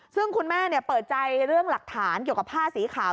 ซึ่งคุณแม่เปิดใจเรื่องหลักฐานเกี่ยวกับผ้าสีขาว